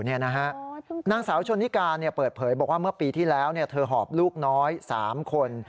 นางสาวชนนิกาเปิดเผยบอกว่าเมื่อปีที่แล้วเธอหอบลูกน้อย๓คน